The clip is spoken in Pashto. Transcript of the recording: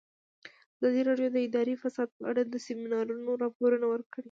ازادي راډیو د اداري فساد په اړه د سیمینارونو راپورونه ورکړي.